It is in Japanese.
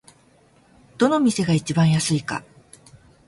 どの店が一番安いか